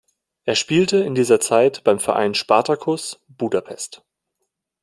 Er spielte in dieser Zeit beim Verein Spartacus Budapest.